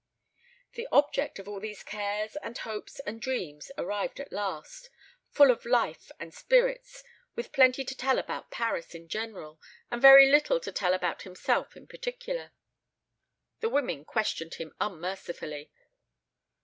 The object of all these cares and hopes and dreams arrived at last, full of life and spirits, with plenty to tell about Paris in general, and very little to tell about himself in particular. The women questioned him unmercifully.